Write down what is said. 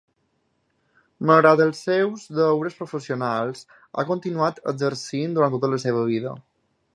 Malgrat els seus deures professionals, ha continuat exercint durant tota la seva vida.